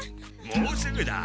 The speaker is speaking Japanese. もうすぐだ。